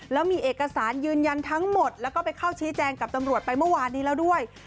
แล้วมีเอกสารยืนยันทั้งหมดแล้วก็ไปเข้าชี้แจงกับตำรวจไปเมื่อวานนี้แล้วด้วย